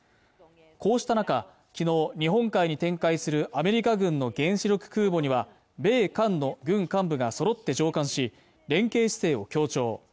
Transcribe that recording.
こうした中きのう日本海に展開するアメリカ軍の原子力空母には米韓の軍幹部がそろって乗艦し連携姿勢を強調